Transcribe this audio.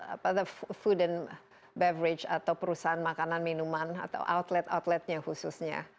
apa itu makanan dan perusahaan atau perusahaan makanan minuman atau outlet outletnya khususnya